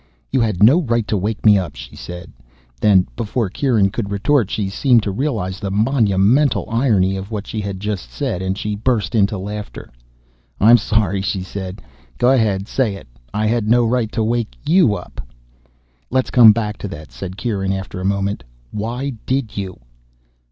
"You had no right to wake me up," she said. Then, before Kieran could retort, she seemed to realize the monumental irony of what she had just said, and she burst into laughter. "I'm sorry," she said. "Go ahead and say it. I had no right to wake you up." "Let's come back to that," said Kieran after a moment. "Why did you?"